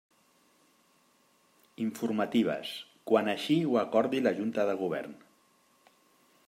Informatives: quan així ho acordi la Junta de Govern.